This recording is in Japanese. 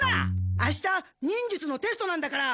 あした忍術のテストなんだから。